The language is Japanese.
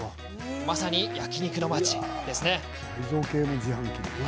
まさに焼肉のまちですね。